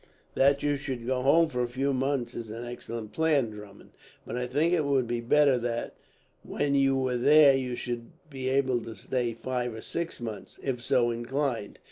"That you should go home for a few months is an excellent plan, Drummond; but I think it would be better that, when you were there, you should be able to stay five or six months, if so inclined.